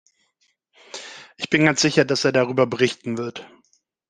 Ich bin ganz sicher, dass er darüber berichten wird.